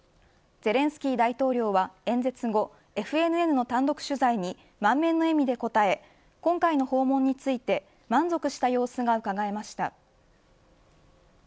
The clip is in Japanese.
ゼレンスキー大統領は演説後ＦＮＮの単独取材に満面の笑みで応え今回の訪問について満足した様子がうかがえました。